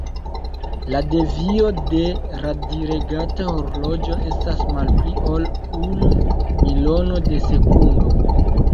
La devio de radiregata horloĝo estas malpli ol unu milono de sekundo.